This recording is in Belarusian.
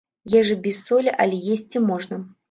Ежа без солі, але есці можна.